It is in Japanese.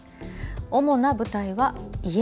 主な舞台は家。